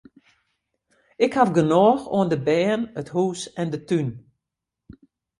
Ik haw genôch oan de bern, it hûs en de tún.